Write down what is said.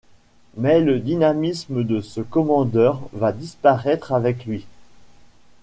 Mais le dynamisme de ce commandeur va disparaître avec lui.